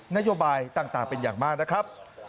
นโยบายต่างเป็นอย่างมากนะครับ